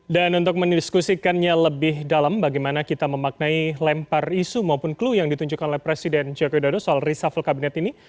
dan untuk mendiskusikannya lebih dalam bagaimana kita memaknai lempar isu maupun klu yang ditunjukkan oleh presiden jokowi dodo soal reshuffle kabinet ini